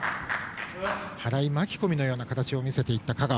払い巻き込みのような形を見せていった香川。